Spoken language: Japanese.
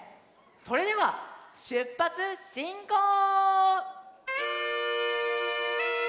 それではしゅっぱつしんこう！